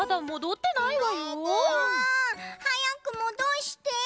あはやくもどして。